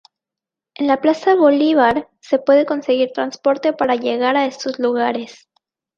En la Plaza Bolívar se puede conseguir transporte para llegar a estos lugares.